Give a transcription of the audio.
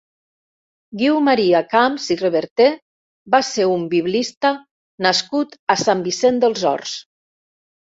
Guiu Maria Camps i Reverter va ser un biblista nascut a Sant Vicenç dels Horts.